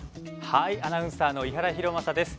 アナウンサーの伊原弘将です。